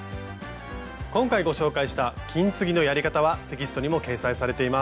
今回ご紹介した金継ぎのやり方はテキストにも掲載されています。